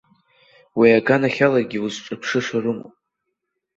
Уи аганахьалагьы узҿыԥшыша рымоуп.